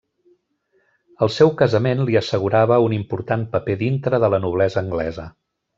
El seu casament li assegurava un important paper dintre de la noblesa anglesa.